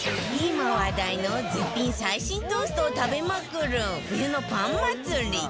今話題の絶品最新トーストを食べまくる冬のパンまつり